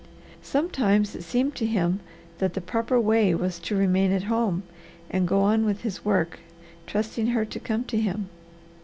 Sometimes it seemed to him that the proper way was to remain at home and go on with his work, trusting her to come to him.